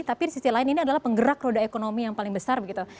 tapi di sisi lain ini adalah penggerak roda ekonomi yang paling besar begitu